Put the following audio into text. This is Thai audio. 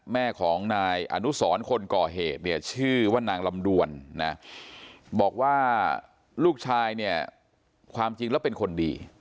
แม่ของนายอนุสรคนก่อเหตุเนี่ยชื่อว่านางลำดวนนะบอกว่าลูกชายเนี่ยความจริงแล้วเป็นคนดี